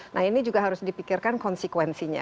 nah ini juga harus dipikirkan konsekuensinya